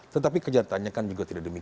tetapi kejadiannya kan juga tidak berlaku